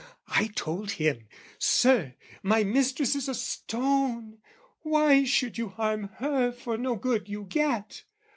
"I told him, 'Sir, my mistress is a stone: "'Why should you harm her for no good you get?